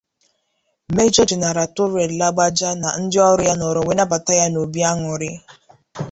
Major General Taoreed Lagbaja na ndị ọrụ ya nọrọ wee nabata ya n'obi añụrị